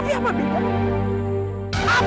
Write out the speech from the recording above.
tapi apa bedanya